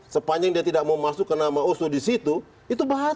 sepanjang dia tidak mau masuk ke nama osu di situ itu batal mbak